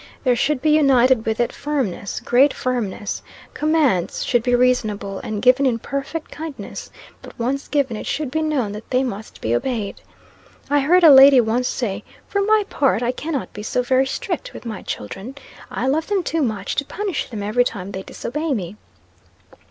There should be united with it firmness great firmness. Commands should be reasonable, and given in perfect kindness; but once given, it should be known that they must be obeyed. I heard a lady once say, 'For my part, I cannot be so very strict with my children. I love them too much to punish them every time they disobey me.'